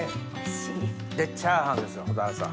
でチャーハンですよ蛍原さん。